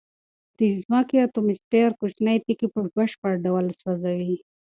د ځمکې اتموسفیر کوچنۍ تیږې په بشپړ ډول سوځوي.